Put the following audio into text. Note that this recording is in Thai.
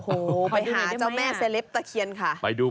เจ้าแม่เซเลปตะเขียนค่ะ